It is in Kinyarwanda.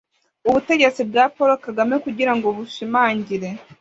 ubutegetsi bwa paul kagame kugira ngo bushimangire